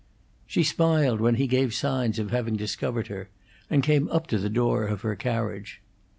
She smiled when he gave signs of having discovered her, and came up to the door of her carriage.